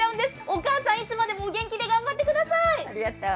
お母さんいつまでもお元気で頑張ってください。